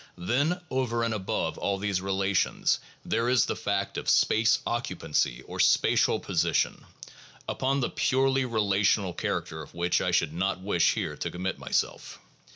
Then over and above all these relations there is the fact of space occupancy or spatial position, upon the purely relational character of which I should not wish here to commit myself.